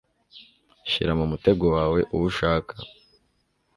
Shira mu mutego wawe uwo ushaka